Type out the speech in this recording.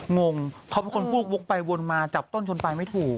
งงเขาเป็นคนพูดวกไปวนมาจับต้นชนปลายไม่ถูก